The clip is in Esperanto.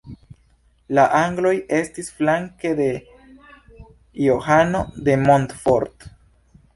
La angloj estis flanke de Johano de Montfort.